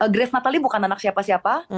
grace natali bukan anak siapa siapa